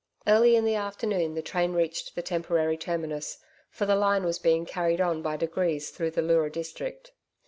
Early in the afternoon the train reached the temporary Terminus, for the line was being carried on by degrees through the Leura district.